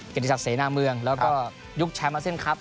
เกณฑษักเสนาเมืองแล้วก็